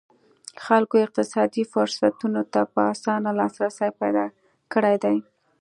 خلکو اقتصادي فرصتونو ته په اسانه لاسرسی پیدا کړی دی.